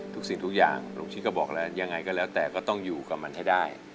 สิ่งทุกอย่างลุงชิดก็บอกแล้วยังไงก็แล้วแต่ก็ต้องอยู่กับมันให้ได้